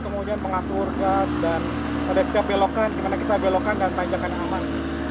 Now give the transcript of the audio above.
kemudian pengatur gas dan ada setiap belokan karena kita belokan dan tanjakan yang aman